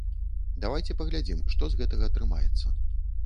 Давайце паглядзім, што з гэтага атрымаецца.